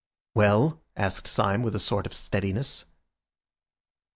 "Well?" asked Syme with a sort of steadiness.